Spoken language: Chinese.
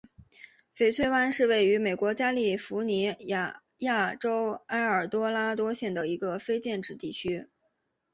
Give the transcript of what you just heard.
翡翠湾是位于美国加利福尼亚州埃尔多拉多县的一个非建制地区。